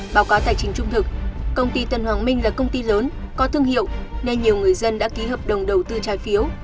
báo cáo tài chính trung thực công ty tân hoàng minh là công ty lớn có thương hiệu nên nhiều người dân đã ký hợp đồng đầu tư trái phiếu